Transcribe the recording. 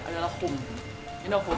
katanya bukan keluarga adalah hom